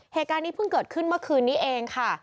เหตุการณ์นี้เพิ่งเกิดขึ้นเมื่อคืนนี้เองค่ะ